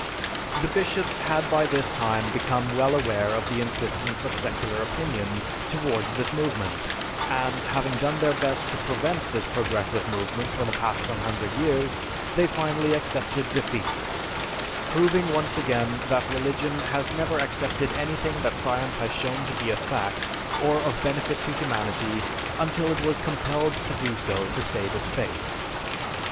The bishops had by this time become well aware of the insistence of secular opinion towards this movement, and having done their best to prevent this progressive movement for the past one hundred years, they finally accepted defeat, proving once again that religion has never accepted anything that science has shown to be a fact or of benefit to humanity until it was compelled to do so to save its face.